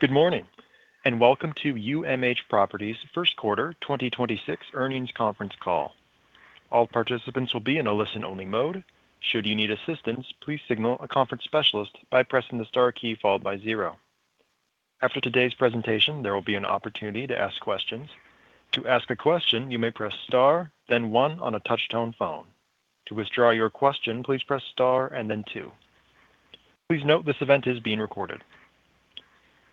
Good morning, and welcome to UMH Properties' first quarter 2026 earnings conference call. All participants will be in a listen-only mode. Should you need assistance, please signal a conference specialist by pressing the star key, followed by zero. After today's presentation, there will be an opportunity to ask questions. To ask a question, you may press star then one on a touch-tone phone. To withdraw your question, please press star and then two. Please note this event is being recorded.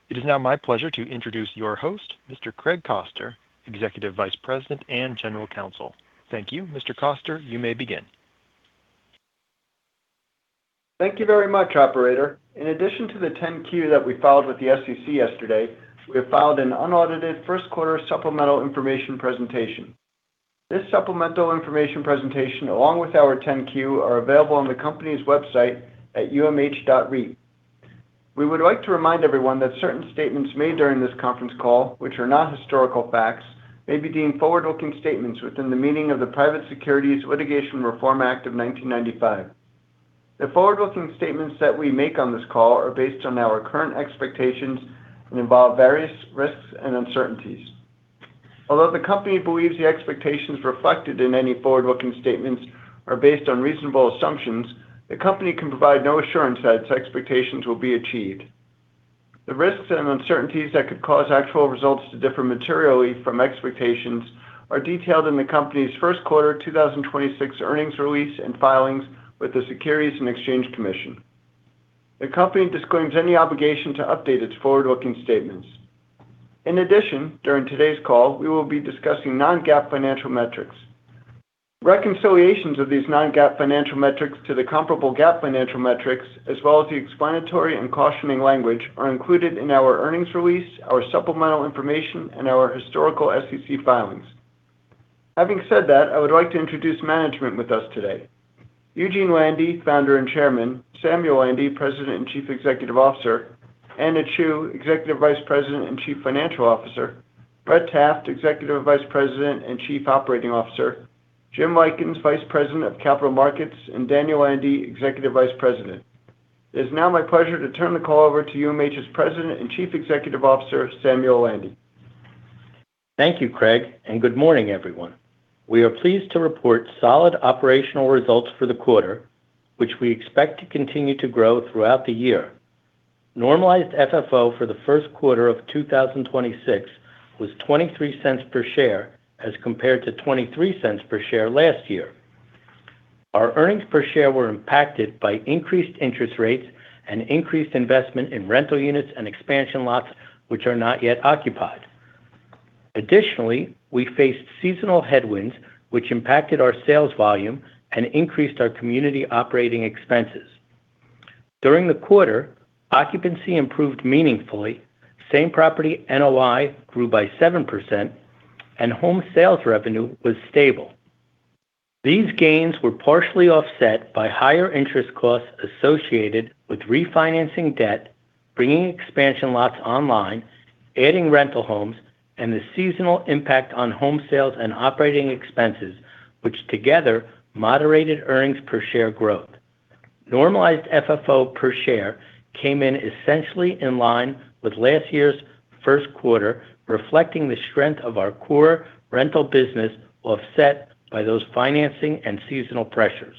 It is now my pleasure to introduce your host, Mr. Craig Koster, Executive Vice President and General Counsel. Thank you. Mr. Koster, you may begin. Thank you very much, operator. In addition to the 10-Q that we filed with the SEC yesterday, we have filed an unaudited first quarter supplemental information presentation. This supplemental information presentation, along with our 10-Q, are available on the company's website at umh.reit. We would like to remind everyone that certain statements made during this conference call, which are not historical facts, may be deemed forward-looking statements within the meaning of the Private Securities Litigation Reform Act of 1995. The forward-looking statements that we make on this call are based on our current expectations and involve various risks and uncertainties. Although the company believes the expectations reflected in any forward-looking statements are based on reasonable assumptions, the company can provide no assurance that its expectations will be achieved. The risks and uncertainties that could cause actual results to differ materially from expectations are detailed in the company's first quarter 2026 earnings release and filings with the Securities and Exchange Commission. The company disclaims any obligation to update its forward-looking statements. In addition, during today's call, we will be discussing non-GAAP financial metrics. Reconciliations of these non-GAAP financial metrics to the comparable GAAP financial metrics, as well as the explanatory and cautioning language, are included in our earnings release, our supplemental information, and our historical SEC filings. Having said that, I would like to introduce management with us today. Eugene Landy, Founder and Chairman. Samuel Landy, President and Chief Executive Officer. Anna Chew, Executive Vice President and Chief Financial Officer. Brett Taft, Executive Vice President and Chief Operating Officer. Jim Lykins, Vice President of Capital Markets. Daniel Landy, Executive Vice President. It is now my pleasure to turn the call over to UMH's President and Chief Executive Officer, Samuel Landy. Thank you, Craig. Good morning, everyone. We are pleased to report solid operational results for the quarter, which we expect to continue to grow throughout the year. Normalized FFO for the first quarter of 2026 was $0.23 per share, as compared to $0.23 per share last year. Our earnings per share were impacted by increased interest rates and increased investment in rental units and expansion lots, which are not yet occupied. We faced seasonal headwinds, which impacted our sales volume and increased our community operating expenses. During the quarter, occupancy improved meaningfully, same-property NOI grew by 7%, and home sales revenue was stable. These gains were partially offset by higher interest costs associated with refinancing debt, bringing expansion lots online, adding rental homes, and the seasonal impact on home sales and operating expenses, which together moderated earnings per share growth. Normalized FFO per share came in essentially in line with last year's first quarter, reflecting the strength of our core rental business offset by those financing and seasonal pressures.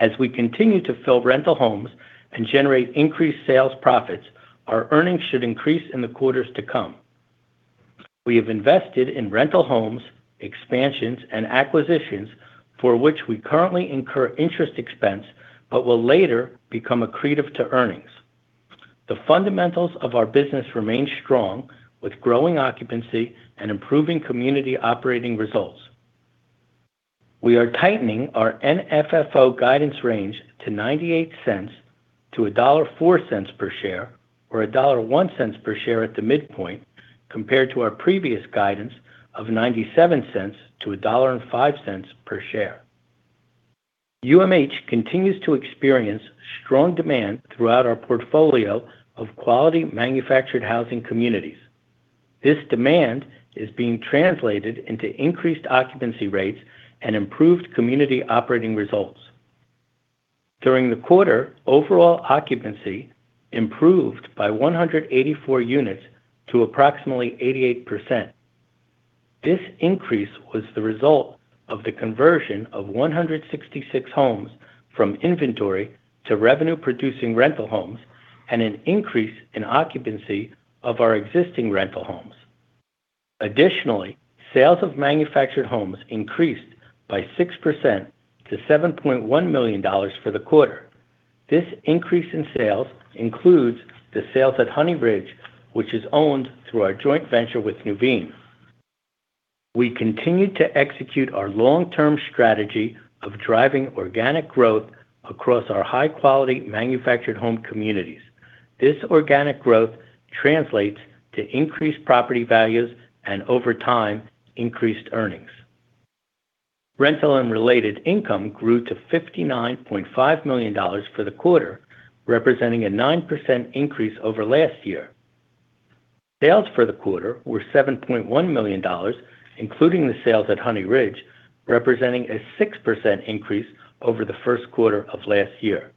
As we continue to fill rental homes and generate increased sales profits, our earnings should increase in the quarters to come. We have invested in rental homes, expansions, and acquisitions for which we currently incur interest expense, but will later become accretive to earnings. The fundamentals of our business remain strong with growing occupancy and improving community operating results. We are tightening our NFFO guidance range to $0.98-$1.04 per share or $1.01 per share at the midpoint compared to our previous guidance of $0.97-$1.05 per share. UMH continues to experience strong demand throughout our portfolio of quality manufactured housing communities. This demand is being translated into increased occupancy rates and improved community operating results. During the quarter, overall occupancy improved by 184 units to approximately 88%. This increase was the result of the conversion of 166 homes from inventory to revenue-producing rental homes and an increase in occupancy of our existing rental homes. Additionally, sales of manufactured homes increased by 6% to $7.1 million for the quarter. This increase in sales includes the sales at Honey Ridge, which is owned through our joint venture with Nuveen. We continue to execute our long-term strategy of driving organic growth across our high-quality manufactured home communities. This organic growth translates to increased property values and, over time, increased earnings. Rental and related income grew to $59.5 million for the quarter, representing a 9% increase over last year. Sales for the quarter were $7.1 million, including the sales at Honey Ridge, representing a 6% increase over the first quarter of last year.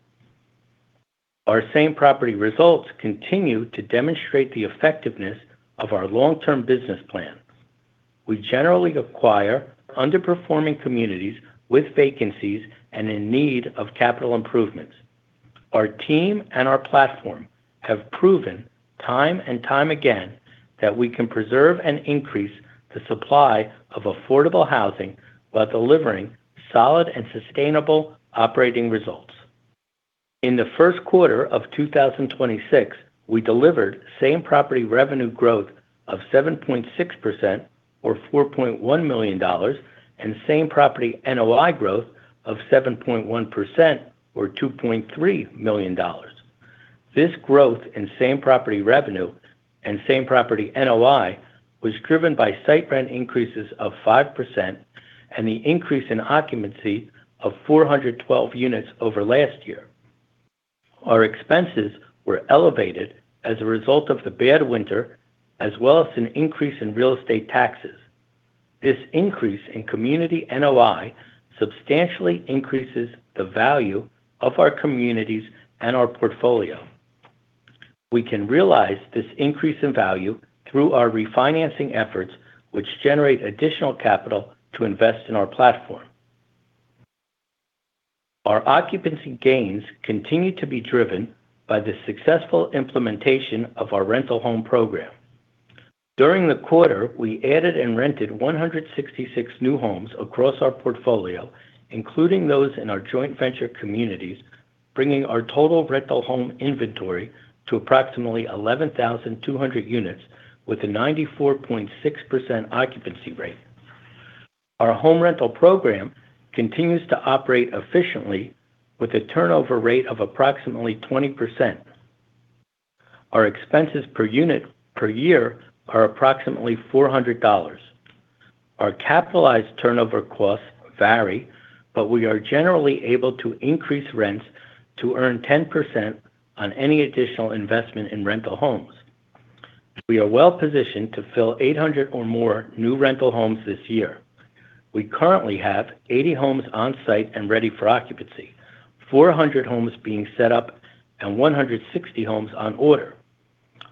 Our same-property results continue to demonstrate the effectiveness of our long-term business plan. We generally acquire underperforming communities with vacancies and in need of capital improvements. Our team and our platform have proven time and time again that we can preserve and increase the supply of affordable housing while delivering solid and sustainable operating results. In the first quarter of 2026, we delivered same-property revenue growth of 7.6% or $4.1 million and same-property NOI growth of 7.1% or $2.3 million. This growth in same-property revenue and same-property NOI was driven by site rent increases of 5% and the increase in occupancy of 412 units over last year. Our expenses were elevated as a result of the bad winter, as well as an increase in real estate taxes. This increase in community NOI substantially increases the value of our communities and our portfolio. We can realize this increase in value through our refinancing efforts, which generate additional capital to invest in our platform. Our occupancy gains continue to be driven by the successful implementation of our rental home program. During the quarter, we added and rented 166 new homes across our portfolio, including those in our joint venture communities, bringing our total rental home inventory to approximately 11,200 units with a 94.6% occupancy rate. Our home rental program continues to operate efficiently with a turnover rate of approximately 20%. Our expenses per unit per year are approximately $400. Our capitalized turnover costs vary, but we are generally able to increase rents to earn 10% on any additional investment in rental homes. We are well-positioned to fill 800 or more new rental homes this year. We currently have 80 homes on site and ready for occupancy, 400 homes being set up, and 160 homes on order.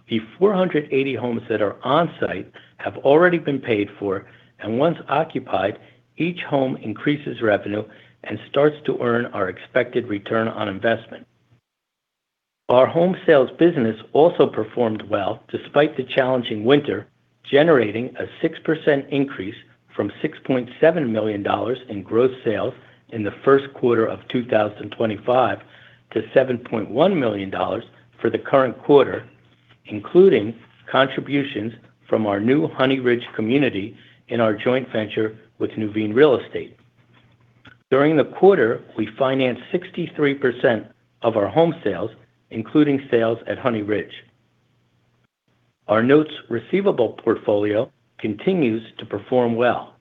The 480 homes that are on site have already been paid for, and once occupied, each home increases revenue and starts to earn our expected return on investment. Our home sales business also performed well despite the challenging winter, generating a 6% increase from $6.7 million in gross sales in the first quarter of 2025 to $7.1 million for the current quarter, including contributions from our new Honey Ridge community in our joint venture with Nuveen Real Estate. During the quarter, we financed 63% of our home sales, including sales at Honey Ridge. Our notes receivable portfolio continues to perform well.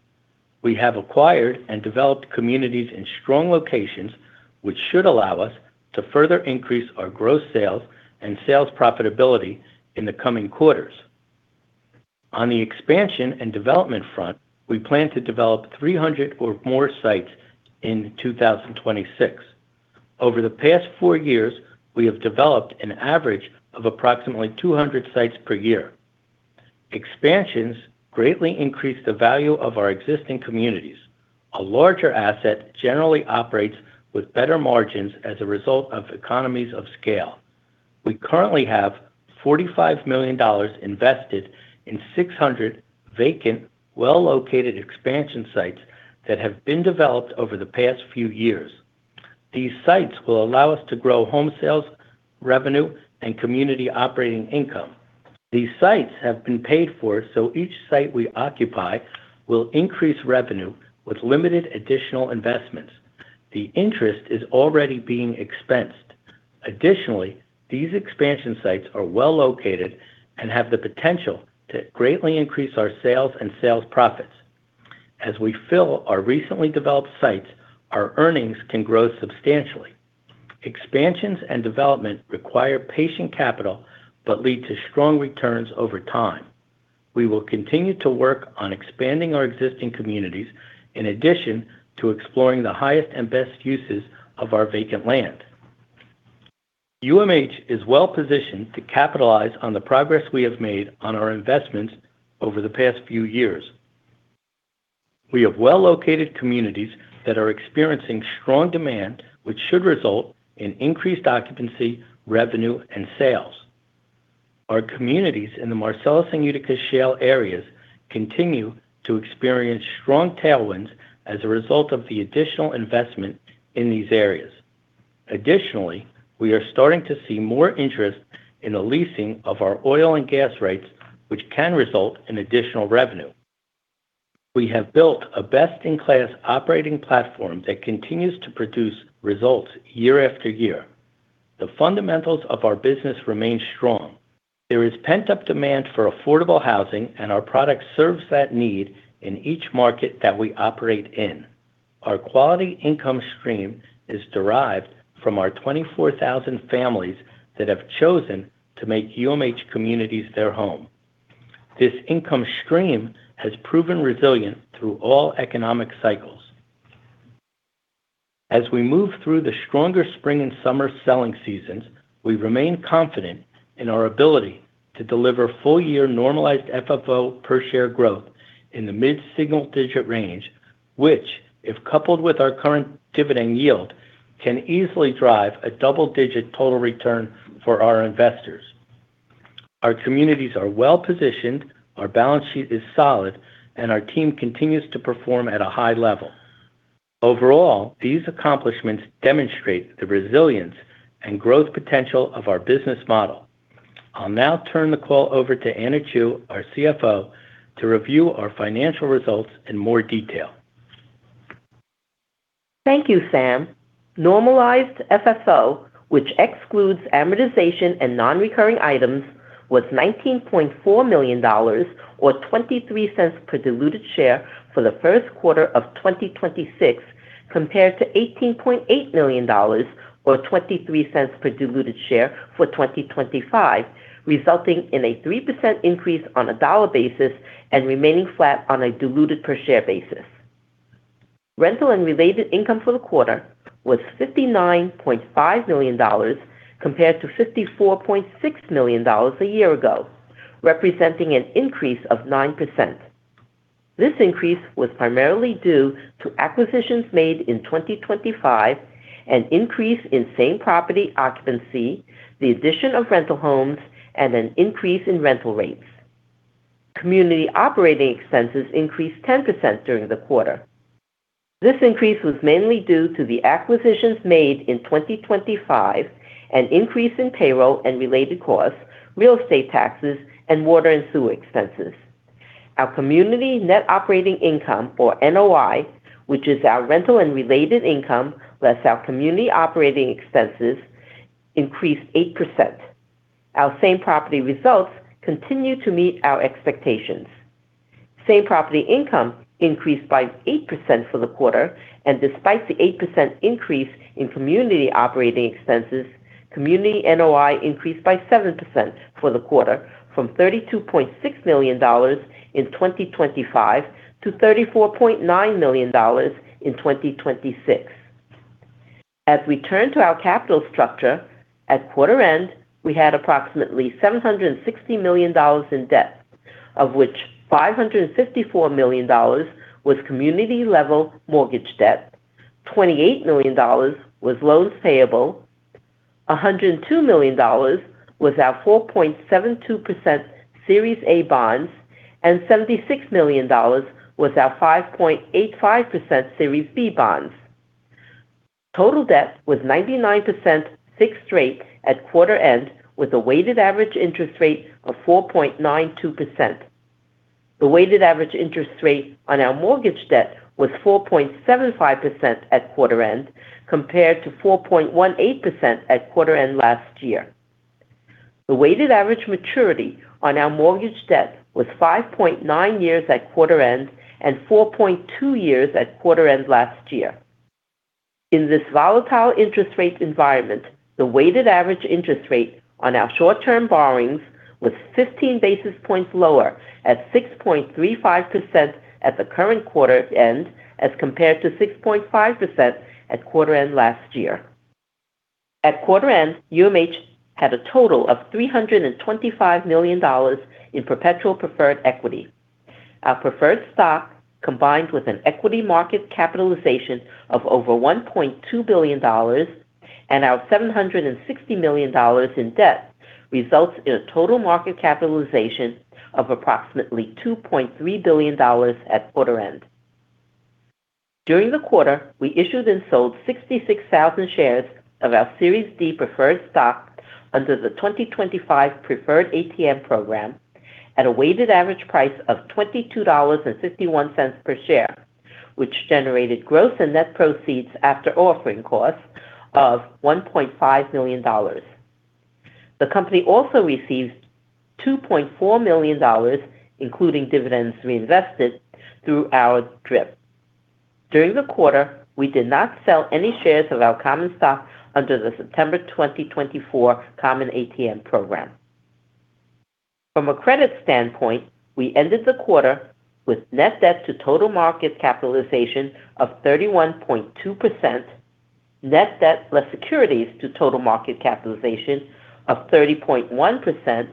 We have acquired and developed communities in strong locations, which should allow us to further increase our gross sales and sales profitability in the coming quarters. On the expansion and development front, we plan to develop 300 or more sites in 2026. Over the past four years, we have developed an average of approximately 200 sites per year. Expansions greatly increase the value of our existing communities. A larger asset generally operates with better margins as a result of economies of scale. We currently have $45 million invested in 600 vacant, well-located expansion sites that have been developed over the past few years. These sites will allow us to grow home sales revenue and community operating income. These sites have been paid for, so each site we occupy will increase revenue with limited additional investments. The interest is already being expensed. Additionally, these expansion sites are well-located and have the potential to greatly increase our sales and sales profits. As we fill our recently developed sites, our earnings can grow substantially. Expansions and development require patient capital but lead to strong returns over time. We will continue to work on expanding our existing communities in addition to exploring the highest and best uses of our vacant land. UMH is well-positioned to capitalize on the progress we have made on our investments over the past few years. We have well-located communities that are experiencing strong demand, which should result in increased occupancy, revenue, and sales. Our communities in the Marcellus and Utica Shale areas continue to experience strong tailwinds as a result of the additional investment in these areas. Additionally, we are starting to see more interest in the leasing of our oil and gas rights, which can result in additional revenue. We have built a best-in-class operating platform that continues to produce results year after year. The fundamentals of our business remain strong. There is pent-up demand for affordable housing, and our product serves that need in each market that we operate in. Our quality income stream is derived from our 24,000 families that have chosen to make UMH communities their home. This income stream has proven resilient through all economic cycles. As we move through the stronger spring and summer selling seasons, we remain confident in our ability to deliver full-year normalized FFO per share growth in the mid-single-digit range, which, if coupled with our current dividend yield, can easily drive a double-digit total return for our investors. Our communities are well-positioned, our balance sheet is solid, and our team continues to perform at a high level. Overall, these accomplishments demonstrate the resilience and growth potential of our business model. I'll now turn the call over to Anna Chew, our CFO, to review our financial results in more detail. Thank you, Sam. Normalized FFO, which excludes amortization and non-recurring items, was $19.4 million or $0.23 per diluted share for the first quarter of 2026 compared to $18.8 million or $0.23 per diluted share for 2025, resulting in a 3% increase on a dollar basis and remaining flat on a diluted per share basis. Rental and related income for the quarter was $59.5 million compared to $54.6 million a year ago, representing an increase of 9%. This increase was primarily due to acquisitions made in 2025, an increase in same-property occupancy, the addition of rental homes, and an increase in rental rates. Community operating expenses increased 10% during the quarter. This increase was mainly due to the acquisitions made in 2025, an increase in payroll and related costs, real estate taxes, and water and sewer expenses. Our community net operating income, or NOI, which is our rental and related income, less our community operating expenses, increased 8%. Our same-property results continue to meet our expectations. Same-property income increased by 8% for the quarter, and despite the 8% increase in community operating expenses, community NOI increased by 7% for the quarter from $32.6 million in 2025 to $34.9 million in 2026. As we turn to our capital structure, at quarter end, we had approximately $760 million in debt, of which $554 million was community-level mortgage debt, $28 million was loans payable, $102 million was our 4.72% Series A Bonds, and $76 million was our 5.85% Series B Bonds. Total debt was 99% fixed rate at quarter end with a weighted average interest rate of 4.92%. The weighted average interest rate on our mortgage debt was 4.75% at quarter end compared to 4.18% at quarter end last year. The weighted average maturity on our mortgage debt was 5.9 years at quarter end and 4.2 years at quarter end last year. In this volatile interest rate environment, the weighted average interest rate on our short-term borrowings was 15 basis points lower at 6.35% at the current quarter end, as compared to 6.5% at quarter end last year. At quarter end, UMH had a total of $325 million in perpetual preferred equity. Our preferred stock, combined with an equity market capitalization of over $1.2 billion and our $760 million in debt, results in a total market capitalization of approximately $2.3 billion at quarter end. During the quarter, we issued and sold 66,000 shares of our Series D preferred stock under the 2025 Preferred ATM Program at a weighted average price of $22.51 per share, which generated gross and net proceeds after offering costs of $1.5 million. The company also received $2.4 million, including dividends reinvested, through our DRIP. During the quarter, we did not sell any shares of our common stock under the September 2024 Common ATM Program. From a credit standpoint, we ended the quarter with net debt to total market capitalization of 31.2%, net debt less securities to total market capitalization of 30.1%,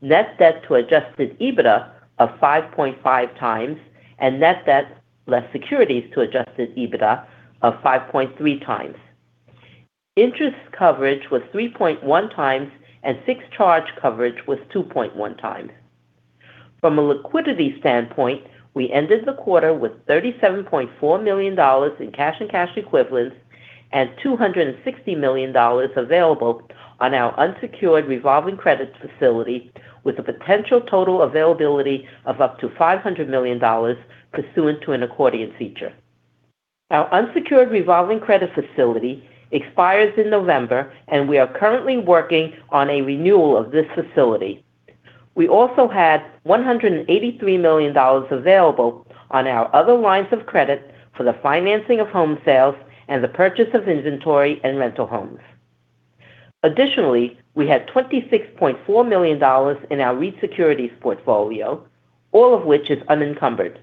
net debt to adjusted EBITDA of 5.5x, and net debt less securities to adjusted EBITDA of 5.3x. Interest coverage was 3.1x, fixed charge coverage was 2.1x. From a liquidity standpoint, we ended the quarter with $37.4 million in cash and cash equivalents and $260 million available on our unsecured revolving credit facility with a potential total availability of up to $500 million pursuant to an accordion feature. Our unsecured revolving credit facility expires in November; we are currently working on a renewal of this facility. We also had $183 million available on our other lines of credit for the financing of home sales and the purchase of inventory and rental homes. Additionally, we had $26.4 million in our REIT securities portfolio, all of which is unencumbered.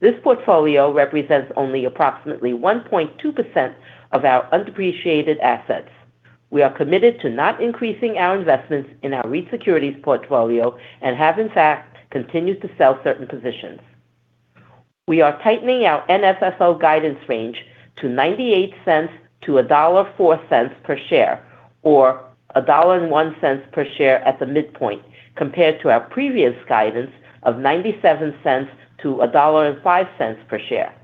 This portfolio represents only approximately 1.2% of our undepreciated assets. We are committed to not increasing our investments in our REIT securities portfolio and have, in fact, continued to sell certain positions. We are tightening our NFFO guidance range to $0.98-$1.04 per share or $1.01 per share at the midpoint, compared to our previous guidance of $0.97-$1.05 per share.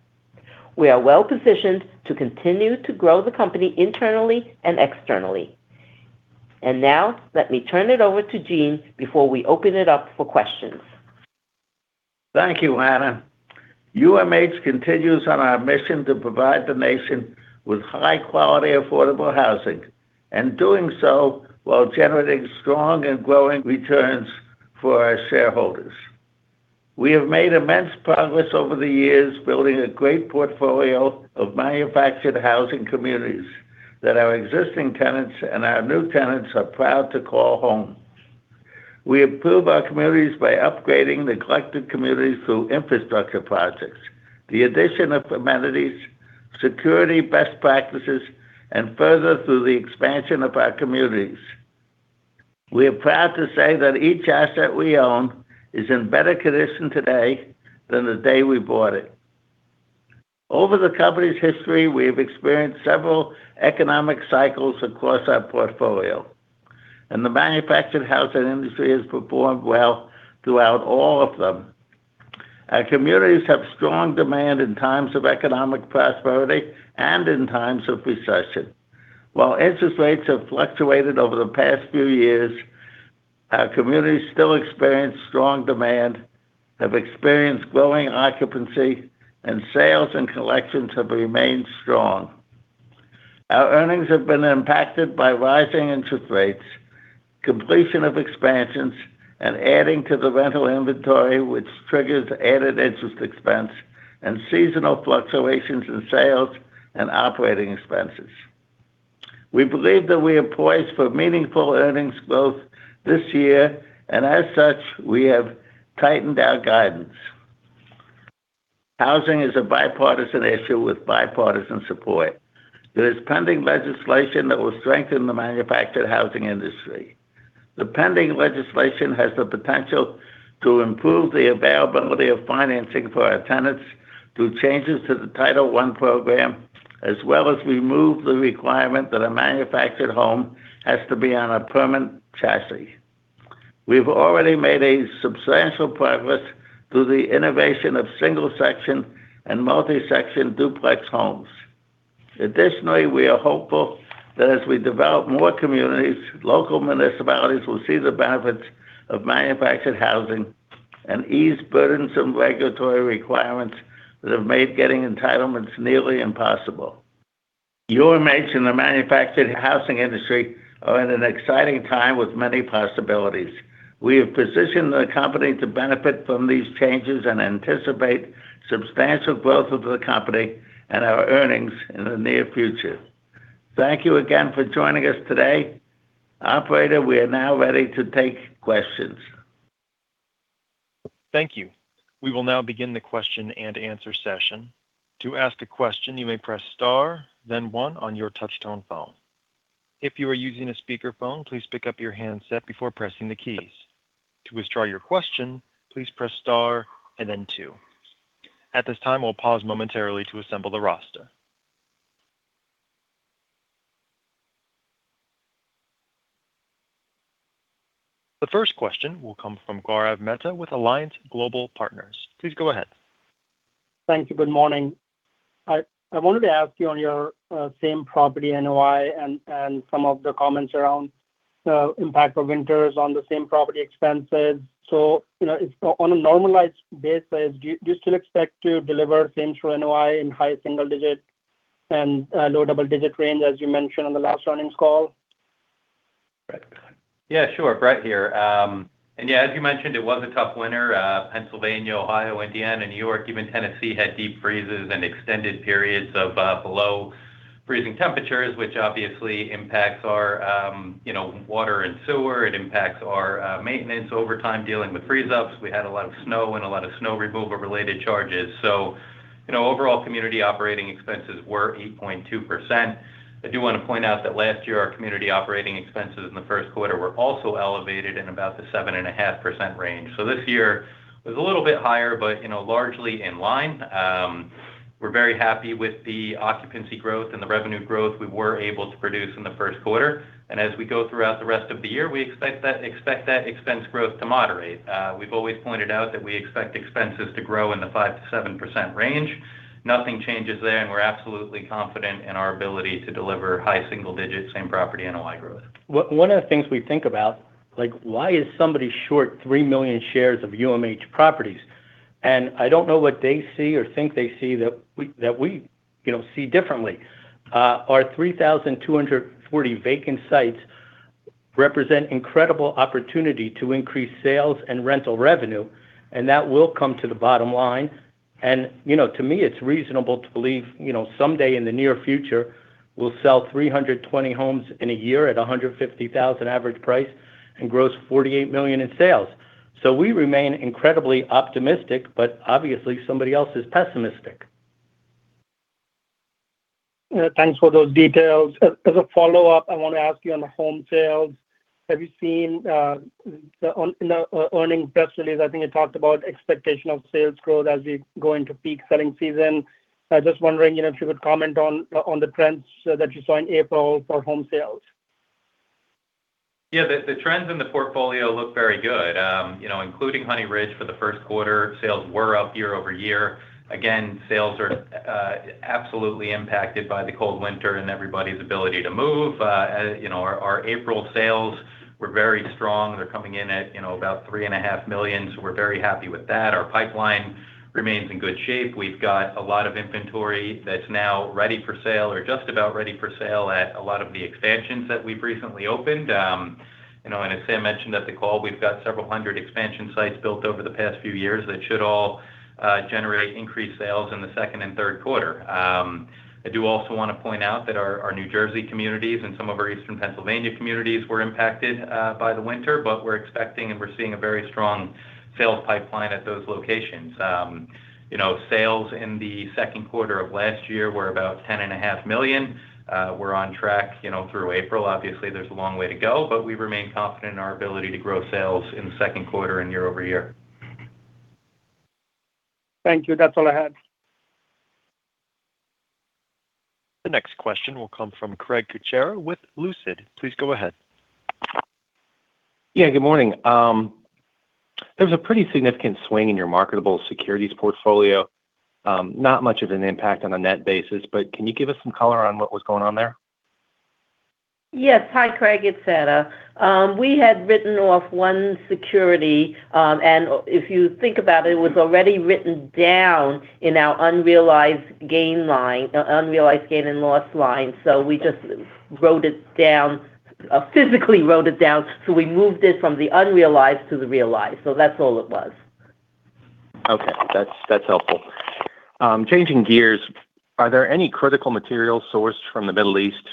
We are well-positioned to continue to grow the company internally and externally. Now, let me turn it over to Eugene before we open it up for questions. Thank you, Anna. UMH continues on our mission to provide the nation with high-quality, affordable housing and doing so while generating strong and growing returns for our shareholders. We have made immense progress over the years, building a great portfolio of manufactured housing communities that our existing tenants and our new tenants are proud to call home. We improve our communities by upgrading neglected communities through infrastructure projects, the addition of amenities, security best practices, and further through the expansion of our communities. We are proud to say that each asset we own is in better condition today than the day we bought it. Over the company's history, we have experienced several economic cycles across our portfolio. The manufactured housing industry has performed well throughout all of them. Our communities have strong demand in times of economic prosperity and in times of recession. While interest rates have fluctuated over the past few years, our communities still experience strong demand, have experienced growing occupancy, and sales and collections have remained strong. Our earnings have been impacted by rising interest rates, completion of expansions, and adding to the rental inventory, which triggers added interest expense and seasonal fluctuations in sales and operating expenses. We believe that we are poised for meaningful earnings growth this year, and as such, we have tightened our guidance. Housing is a bipartisan issue with bipartisan support. There is pending legislation that will strengthen the manufactured housing industry. The pending legislation has the potential to improve the availability of financing for our tenants through changes to the Title I program, as well as remove the requirement that a manufactured home has to be on a permanent chassis. We've already made substantial progress through the innovation of single-section and multi-section duplex homes. Additionally, we are hopeful that as we develop more communities, local municipalities will see the benefits of manufactured housing and ease burdensome regulatory requirements that have made getting entitlements nearly impossible. UMH and the manufactured housing industry are in an exciting time with many possibilities. We have positioned the company to benefit from these changes and anticipate substantial growth of the company and our earnings in the near future. Thank you again for joining us today. Operator, we are now ready to take questions. Thank you. We will now begin the question and answer session. To ask a question, you may press star then one on your touch-tone phone. If you are using a speakerphone, please pick up your handset before pressing the keys. To withdraw your question, please press star and then two. At this time, we'll pause momentarily to assemble the roster. The first question will come from Gaurav Mehta with Alliance Global Partners. Please go ahead. Thank you. Good morning. I wanted to ask you on your same-property NOI and some of the comments around the impact of winters on the same-property expenses. You know, on a normalized basis, do you still expect to deliver same store NOI in high single-digit and low double-digit range as you mentioned on the last earnings call? Brett, go ahead. Yeah, sure. Brett here. Yeah, as you mentioned, it was a tough winter. Pennsylvania, Ohio, Indiana, New York, even Tennessee had deep freezes and extended periods of below freezing temperatures, which obviously impacts our, you know, water and sewer. It impacts our maintenance over time, dealing with freeze-ups. We had a lot of snow and a lot of snow removal-related charges. You know, overall community operating expenses were 8.2%. I do wanna point out that last year, our community operating expenses in the first quarter were also elevated in about the 7.5% range. This year was a little bit higher but you know, largely in line. We're very happy with the occupancy growth and the revenue growth we were able to produce in the first quarter. As we go throughout the rest of the year, we expect that expense growth to moderate. We've always pointed out that we expect expenses to grow in the 5%-7% range. Nothing changes there, and we're absolutely confident in our ability to deliver high single-digits same property NOI growth. One of the things we think about like why is somebody short 3 million shares of UMH Properties? I don't know what they see or think they see that we, you know, see differently. Our 3,240 vacant sites represent incredible opportunity to increase sales and rental revenue, and that will come to the bottom line. You know, to me, it's reasonable to believe, you know, someday in the near future, we'll sell 320 homes in a year at a $150,000 average price and gross $48 million in sales. We remain incredibly optimistic, but obviously somebody else is pessimistic. Yeah, thanks for those details. As a follow-up, I want to ask you on the home sales. Have you seen, on, you know, earnings press release, I think it talked about expectation of sales growth as we go into peak selling season. I was just wondering if you could comment on the trends that you saw in April for home sales. The trends in the portfolio look very good. You know, including Honey Ridge for the first quarter, sales were up year-over-year. Again, sales are absolutely impacted by the cold winter and everybody's ability to move. You know, our April sales were very strong. They're coming in at, you know, about $3.5 million. We're very happy with that. Our pipeline remains in good shape. We've got a lot of inventory that's now ready for sale or just about ready for sale at a lot of the expansions that we've recently opened. You know, as Sam mentioned at the call, we've got several hundred expansion sites built over the past few years that should all generate increased sales in the second and third quarter. I do also want to point out that our New Jersey communities and some of our Eastern Pennsylvania communities were impacted by the winter, but we're expecting, and we're seeing a very strong sales pipeline at those locations. You know, sales in the second quarter of last year were about $10.5 million. We're on track, you know, through April. Obviously, there's a long way to go, but we remain confident in our ability to grow sales in the second quarter and year-over-year. Thank you. That's all I had. The next question will come from Craig Kucera with Lucid. Please go ahead. Yeah, good morning. There was a pretty significant swing in your marketable securities portfolio. Not much of an impact on a net basis, but can you give us some color on what was going on there? Yes. Hi, Craig, it's Anna. We had written off one security, if you think about it was already written down in our unrealized gain line, unrealized gain and loss line. We just physically wrote it down. We moved it from the unrealized to the realized. That's all it was. Okay. That's helpful. Changing gears, are there any critical materials sourced from the Middle East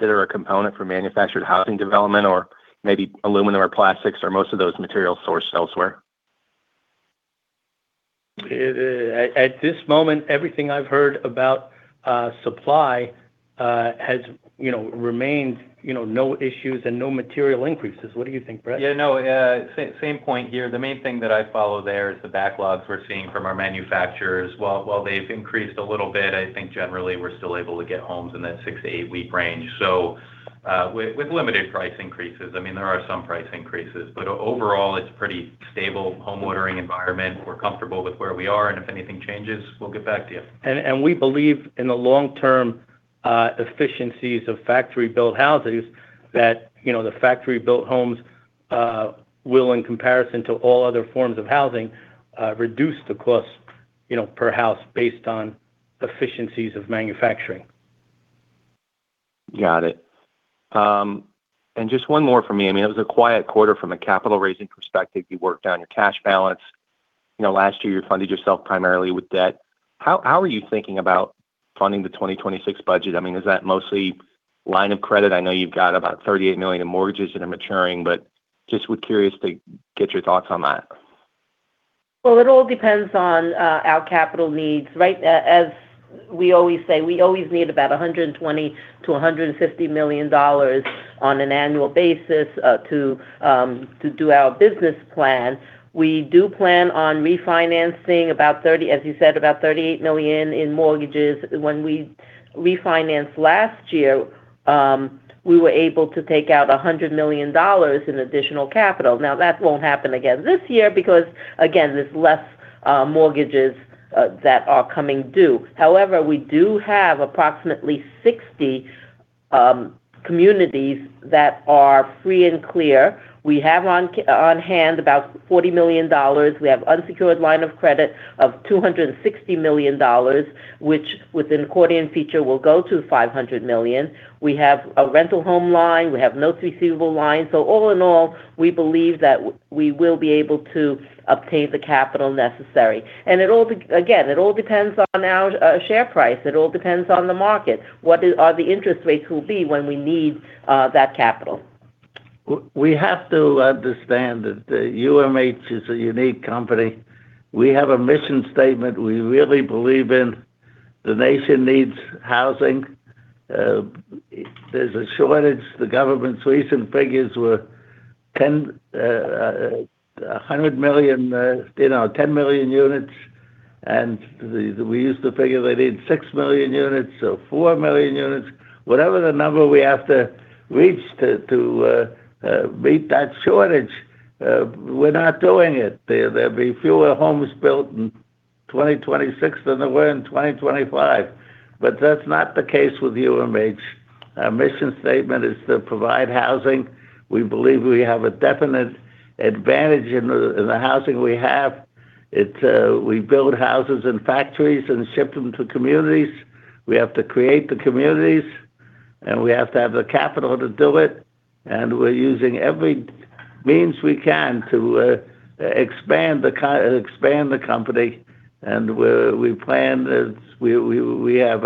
that are a component for manufactured housing development or maybe aluminum or plastics or most of those materials sourced elsewhere? At this moment, everything I've heard about supply has, you know, remained, you know, no issues and no material increases. What do you think, Brett? Same point here. The main thing that I follow there is the backlogs we're seeing from our manufacturers. While they've increased a little bit, I think generally we're still able to get homes in that six to eight week range. With limited price increases. I mean, there are some price increases, but overall, it's pretty stable home ordering environment. We're comfortable with where we are, and if anything changes, we'll get back to you. We believe in the long-term efficiencies of factory-built houses that, you know, the factory-built homes will, in comparison to all other forms of housing, reduce the cost, you know, per house based on efficiencies of manufacturing. Got it. Just one more for me. I mean, it was a quiet quarter from a capital raising perspective. You worked down your cash balance. You know, last year, you funded yourself primarily with debt. How are you thinking about funding the 2026 budget? I mean, is that mostly line of credit? I know you've got about $38 million in mortgages that are maturing, but just was curious to get your thoughts on that. It all depends on our capital needs, right? As we always say, we always need about $120 million-$150 million on an annual basis to do our business plan. We do plan on refinancing about $30 million, as you said, about $38 million in mortgages. When we refinanced last year, we were able to take out $100 million in additional capital. That won't happen again this year because, again, there's less mortgages that are coming due. We do have approximately 60 communities that are free and clear. We have on hand about $40 million. We have unsecured line of credit of $260 million, which, with an accordion feature, will go to $500 million. We have a rental home line. We have notes receivable line. All in all, we believe that we will be able to obtain the capital necessary. It all again, it all depends on our share price. It all depends on the market. What are the interest rates will be when we need that capital? We have to understand that UMH is a unique company. We have a mission statement we really believe in. The nation needs housing. There's a shortage. The government's recent figures were, you know, 10 million units. We used to figure they need 6 million units or 4 million units. Whatever the number we have to reach to meet that shortage, we're not doing it. There'll be fewer homes built in 2026 than they were in 2025. That's not the case with UMH. Our mission statement is to provide housing. We believe we have a definite advantage in the housing we have. We build houses and factories and ship them to communities. We have to create the communities, and we have to have the capital to do it, and we're using every means we can to expand the company. We plan as we have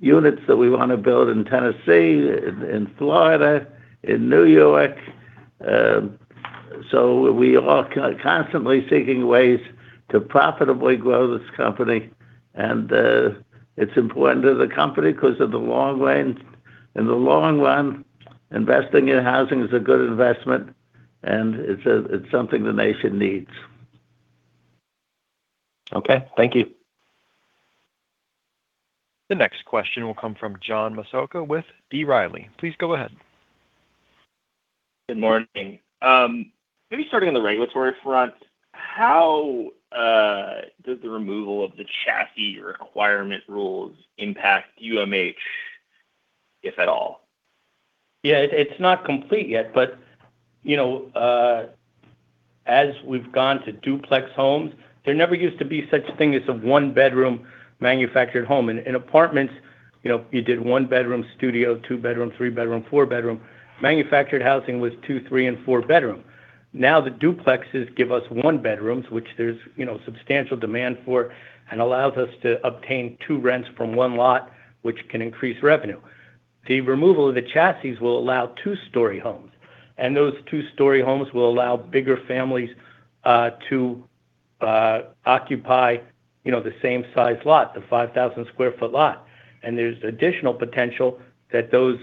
units that we want to build in Tennessee, in Florida, in New York. We are constantly seeking ways to profitably grow this company. It's important to the company because of the long run. In the long run, investing in housing is a good investment, and it's something the nation needs. Okay. Thank you. The next question will come from John Massocca with B. Riley. Please go ahead. Good morning. Maybe starting on the regulatory front, how did the removal of the chassis requirement rules impact UMH, if at all? Yeah, it's not complete yet. You know, as we've gone to duplex homes, there never used to be such thing as a one-bedroom manufactured home. In apartments, you know, you did one-bedroom studio, two-bedroom, three-bedroom, four-bedroom. Manufactured housing was two, three, and four-bedroom. The duplexes give us one-bedrooms, which there's, you know, substantial demand for and allows us to obtain two rents from one lot, which can increase revenue. The removal of the chassis will allow two-story homes, those two-story homes will allow bigger families to occupy, you know, the same size lot, the 5,000-sq ft lot. There's additional potential that those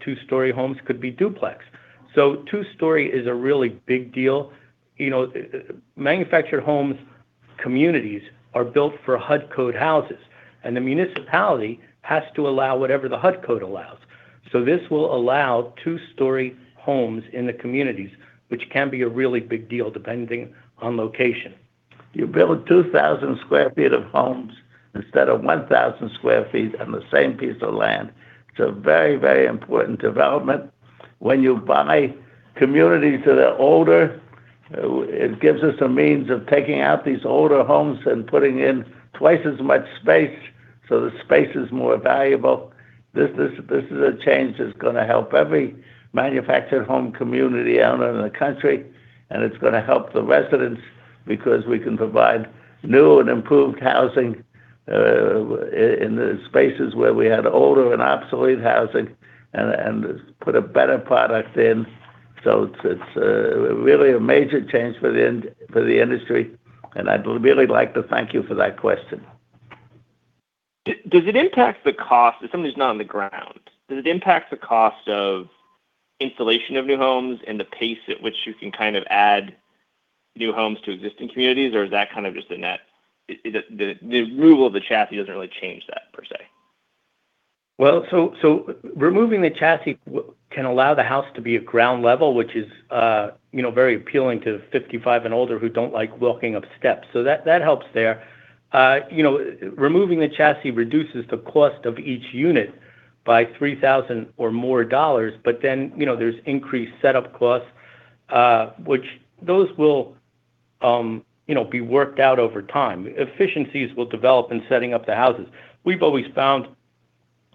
two-story homes could be duplex. Two-story is a really big deal. You know, manufactured homes communities are built for HUD Code houses, and the municipality has to allow whatever the HUD Code allows. This will allow two-story homes in the communities, which can be a really big deal depending on location. You build 2,000 sq ft of homes instead of 1,000 sq ft on the same piece of land. It's a very, very important development. When you buy communities that are older, it gives us a means of taking out these older homes and putting in twice as much space, so the space is more valuable. This is a change that's gonna help every manufactured home community out in the country, and it's gonna help the residents because we can provide new and improved housing in the spaces where we had older and obsolete housing and put a better product in. It's really a major change for the industry, and I'd really like to thank you for that question. If somebody's not on the ground, does it impact the cost of installation of new homes and the pace at which you can kind of add new homes to existing communities, or is that kind of just a net? Is it the removal of the chassis doesn't really change that per se? Removing the chassis can allow the house to be at ground level, which is, you know, very appealing to 55 and older who don't like walking up steps. That helps there. You know, removing the chassis reduces the cost of each unit by $3,000 or more. There's increased setup costs, which those will, you know, be worked out over time. Efficiencies will develop in setting up the houses. We've always found,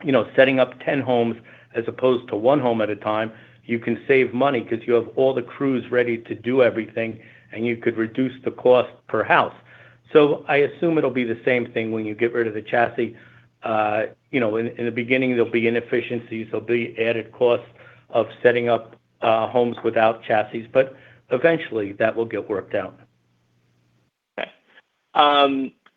you know, setting up 10 homes as opposed to one home at a time, you can save money because you have all the crews ready to do everything, and you could reduce the cost per house. I assume it'll be the same thing when you get rid of the chassis. You know, in the beginning, there'll be inefficiencies. There'll be added costs of setting up homes without chassis, but eventually, that will get worked out. Okay.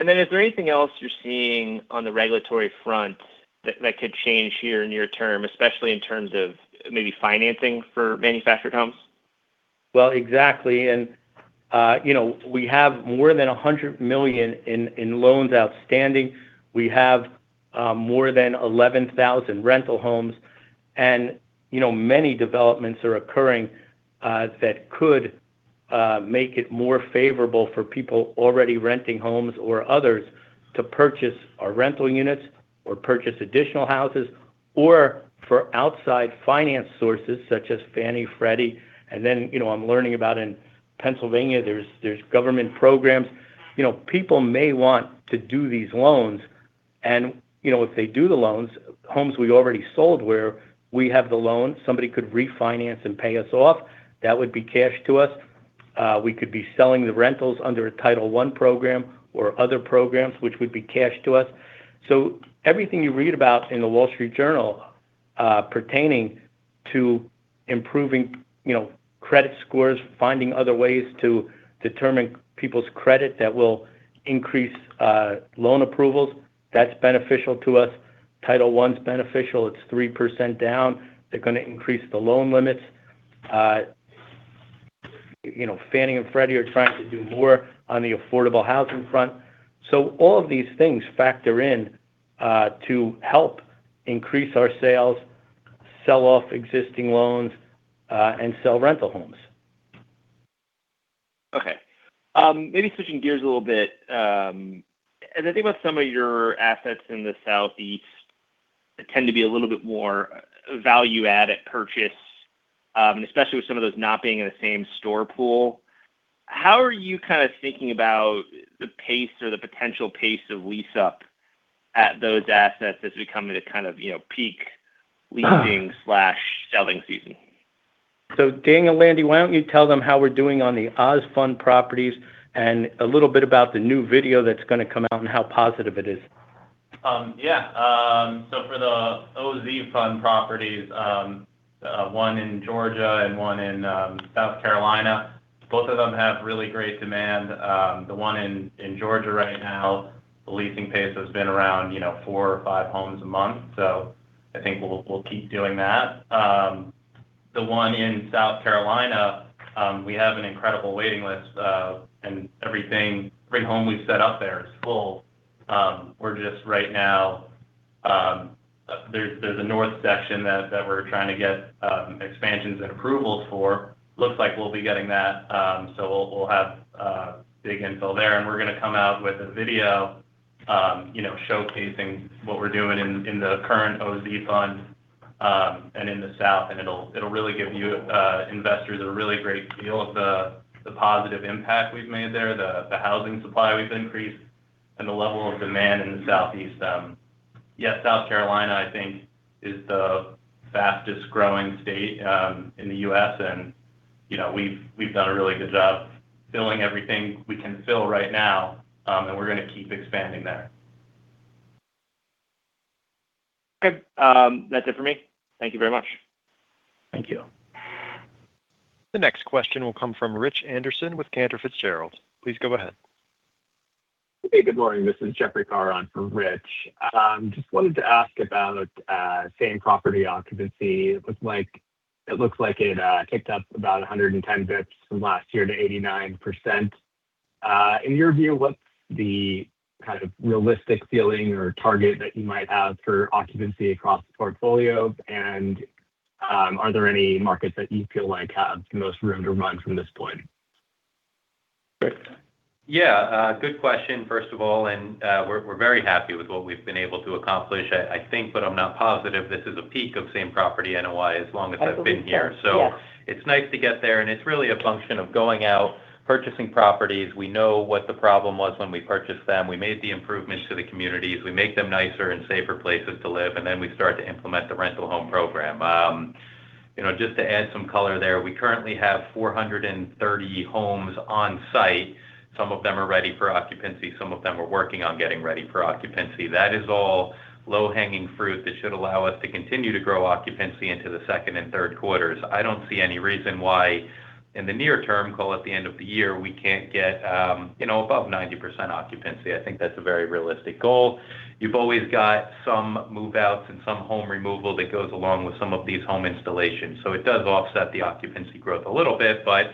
Is there anything else you're seeing on the regulatory front that could change here near term, especially in terms of maybe financing for manufactured homes? Well, exactly. You know, we have more than $100 million in loans outstanding. We have more than 11,000 rental homes, and, you know, many developments are occurring that could make it more favorable for people already renting homes or others to purchase our rental units or purchase additional houses or for outside finance sources such as Fannie, Freddie. You know, I'm learning about in Pennsylvania there's government programs. You know, people may want to do these loans, you know, if they do the loans, homes we already sold where we have the loan, somebody could refinance and pay us off. That would be cash to us. We could be selling the rentals under a Title I program or other programs, which would be cash to us. Everything you read about in The Wall Street Journal, pertaining to improving, you know, credit scores, finding other ways to determine people's credit that will increase, loan approvals, that's beneficial to us. Title I's beneficial. It's 3% down. They're gonna increase the loan limits. You know, Fannie and Freddie are trying to do more on the affordable housing front. All of these things factor in to help increase our sales. Sell off existing loans, and sell rental homes. Okay. Maybe switching gears a little bit, I think about some of your assets in the Southeast tend to be a little bit more value-added purchase, especially with some of those not being in the same store pool. How are you kind of thinking about the pace or the potential pace of lease up at those assets as we come into kind of, you know, peak leasing/selling season? Daniel Landy, why don't you tell them how we're doing on the OZ Fund properties and a little bit about the new video that's gonna come out and how positive it is? Yeah. For the OZ Fund properties, one in Georgia and one in South Carolina, both of them have really great demand. The one in Georgia right now, the leasing pace has been around, you know, four or five homes a month. I think we'll keep doing that. The one in South Carolina, we have an incredible waiting list, and everything, every home we've set up there is full. We're just right now; there's a north section that we're trying to get expansions and approvals for. Looks like we'll be getting that. We'll have big infill there, and we're gonna come out with a video, you know, showcasing what we're doing in the current OZ Fund and in the South. It'll really give you investors a really great feel of the positive impact we've made there, the housing supply we've increased, and the level of demand in the Southeast. Yeah, South Carolina, I think, is the fastest growing state in the U.S., and, you know, we've done a really good job filling everything we can fill right now, and we're gonna keep expanding there. That's it for me. Thank you very much. Thank you. The next question will come from Rich Anderson with Cantor Fitzgerald. Please go ahead. Hey, good morning. This is Jeffrey Carr on for Rich. Just wanted to ask about same property occupancy. It looks like it ticked up about 110 basis points from last year to 89%. In your view, what's the kind of realistic ceiling or target that you might have for occupancy across the portfolio? Are there any markets that you feel like have the most room to run from this point? Brett. Yeah. Good question, first of all. We're very happy with what we've been able to accomplish. I think, but I'm not positive, this is a peak of same property NOI as long as I've been here. I believe so, yes. It's nice to get there, and it's really a function of going out, purchasing properties. We know what the problem was when we purchased them. We made the improvements to the communities. We make them nicer and safer places to live, and then we start to implement the rental home program. You know, just to add some color there, we currently have 430 homes on site. Some of them are ready for occupancy, some of them are working on getting ready for occupancy. That is all low-hanging fruit that should allow us to continue to grow occupancy into the second and third quarters. I don't see any reason why, in the near term, call it the end of the year, we can't get, you know, above 90% occupancy. I think that's a very realistic goal. You've always got some move-outs and some home removal that goes along with some of these home installations. It does offset the occupancy growth a little bit. By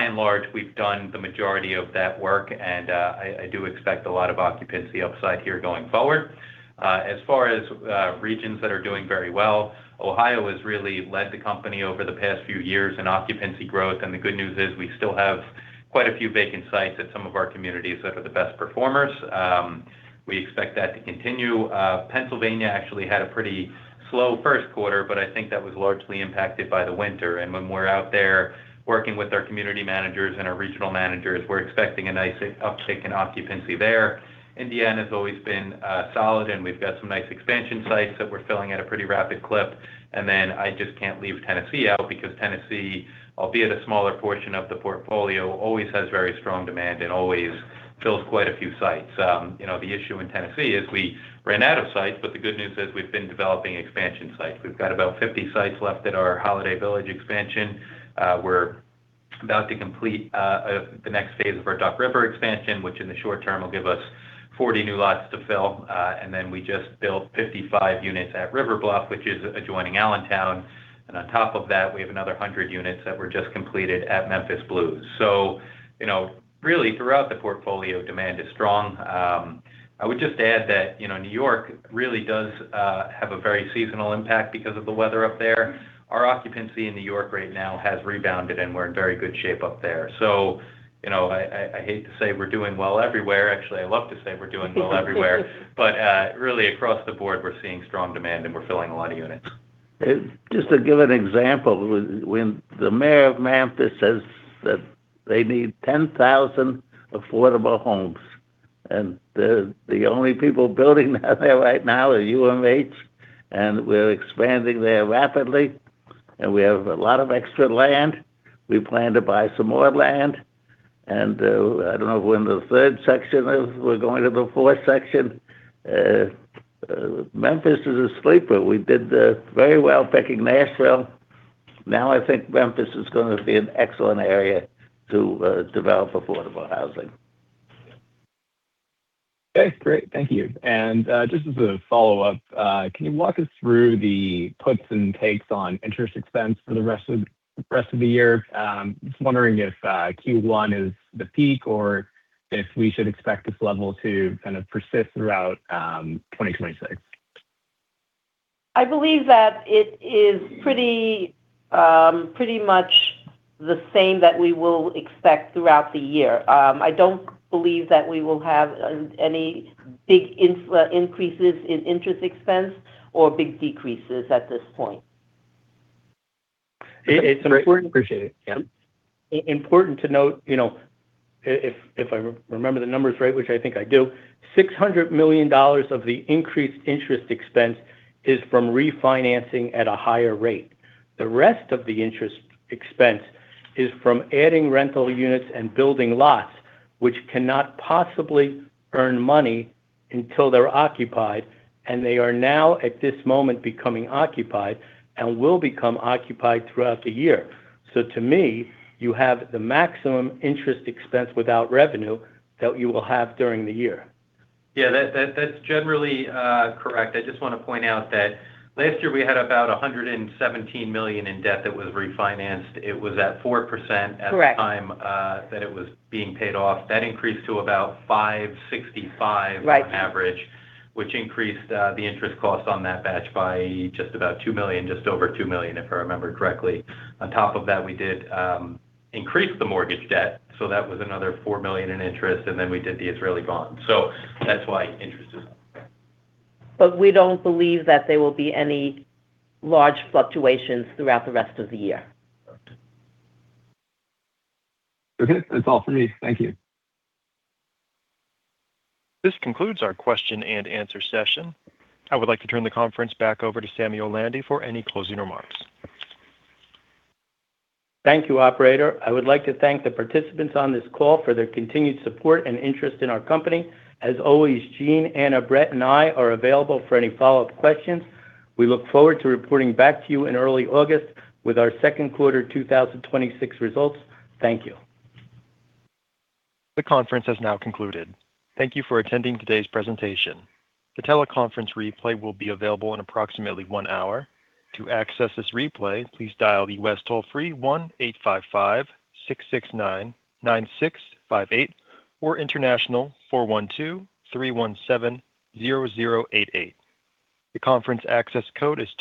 and large, we've done the majority of that work, and I do expect a lot of occupancy upside here going forward. As far as regions that are doing very well, Ohio has really led the company over the past few years in occupancy growth. The good news is we still have quite a few vacant sites at some of our communities that are the best performers. We expect that to continue. Pennsylvania actually had a pretty slow first quarter. I think that was largely impacted by the winter. When we're out there working with our community managers and our regional managers, we're expecting a nice upshift in occupancy there. Indiana's always been solid, and we've got some nice expansion sites that we're filling at a pretty rapid clip. I just can't leave Tennessee out because Tennessee, albeit a smaller portion of the portfolio, always has very strong demand and always fills quite a few sites. You know, the issue in Tennessee is we ran out of sites, but the good news is we've been developing expansion sites. We've got about 50 sites left at our Holiday Village expansion. We're about to complete the next phase of our Duck River expansion, which in the short term will give us 40 new lots to fill. We just built 55 units at River Bluff, which is adjoining Allentown. On top of that, we have another 100 units that were just completed at Memphis Blues. You know, really, throughout the portfolio, demand is strong. I would just add that, you know, New York really does have a very seasonal impact because of the weather up there. Our occupancy in New York right now has rebounded, and we're in very good shape up there. You know, I hate to say we're doing well everywhere. Actually, I love to say we're doing well everywhere. Really, across the board, we're seeing strong demand, and we're filling a lot of units. Just to give an example, when the mayor of Memphis says that they need 10,000 affordable homes, the only people building out there right now are UMH. We're expanding there rapidly and we have a lot of extra land. We plan to buy some more land. I don't know if we're in the third section, we're going to the fourth section. Memphis is a sleeper. We did very well picking Nashville. Now I think Memphis is gonna be an excellent area to develop affordable housing. Okay, great. Thank you. Just as a follow-up, can you walk us through the puts and takes on interest expense for the rest of the year? Just wondering if Q1 is the peak or if we should expect this level to kind of persist throughout 2026. I believe that it is pretty much the same that we will expect throughout the year. I don't believe that we will have any big increases in interest expense or big decreases at this point. It's important- Great. Appreciate it. Yeah. Important to note, you know, if I remember the numbers right, which I think I do, $600 million of the increased interest expense is from refinancing at a higher rate. The rest of the interest expense is from adding rental units and building lots, which cannot possibly earn money until they're occupied, and they are now, at this moment, becoming occupied and will become occupied throughout the year. To me, you have the maximum interest expense without revenue that you will have during the year. Yeah, that's generally correct. I just wanna point out that last year we had about $117 million in debt that was refinanced. It was at 4%. Correct At the time, that it was being paid off. That increased to about $565. Right On average, which increased the interest cost on that batch by just about $2 million, just over $2 million, if I remember correctly. On top of that, we did increase the mortgage debt, so that was another $4 million in interest, and then we did the Israeli bond. That's why interest is up. We don't believe that there will be any large fluctuations throughout the rest of the year. Okay. That's all for me. Thank you. This concludes our question-and-answer session. I would like to turn the conference back over to Samuel Landy for any closing remarks. Thank you, operator. I would like to thank the participants on this call for their continued support and interest in our company. As always, Eugene, Anna, Brett, and I are available for any follow-up questions. We look forward to reporting back to you in early August with our second quarter 2026 results. Thank you. The conference has now concluded. Thank you for attending today's presentation. The teleconference replay will be available in approximately one hour. To access this replay, please dial the West toll-free 1-855-669-9658, or international 412-317-0088. The conference access code is